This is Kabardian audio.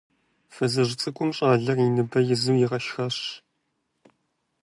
Фызыжь цӀыкӀум щӀалэр и ныбэ изу игъашхащ.